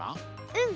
うん。